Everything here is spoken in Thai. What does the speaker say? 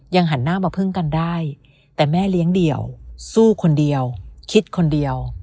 หันหน้ามาพึ่งกันได้แต่แม่เลี้ยงเดี่ยวสู้คนเดียวคิดคนเดียว